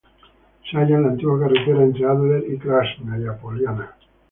Se halla en la antigua carretera entre Ádler y Krásnaya Poliana.